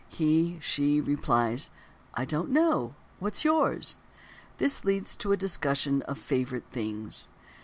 She (he) replies: "I don't know, what's yours?" This leads to a discussion of: Favorite Things.